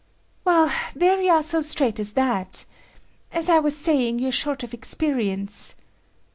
"Well, there you are so straight as that. As I was saying, you're short of experience...."